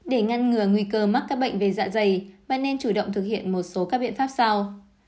để ngăn ngừa nguy cơ mắc các bệnh về dạ dày và nên chủ động thực hiện một số các biện pháp sau